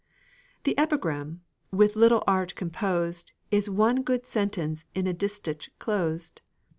The Epigram, with little art composed, Is one good sentence in a distich closed.